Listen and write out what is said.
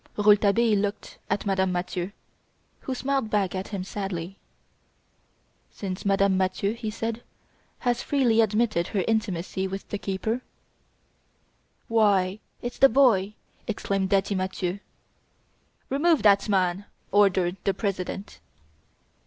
Rouletabille looked at Madame Mathieu, who smiled back at him sadly. "Since Madame Mathieu," he said, "has freely admitted her intimacy with the keeper " "Why, it's the boy!" exclaimed Daddy Mathieu. "Remove that man!" ordered the President.